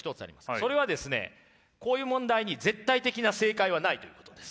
それはですねこういう問題に絶対的な正解はないということです。